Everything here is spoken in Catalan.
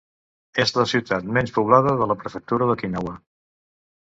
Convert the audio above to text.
És la ciutat menys poblada de la prefectura d'Okinawa.